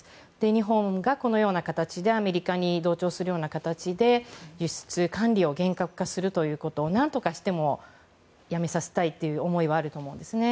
日本がこのような形でアメリカに同調するような形で輸出管理を厳格化することを何としてもやめさせたいという思いはあると思うんですね。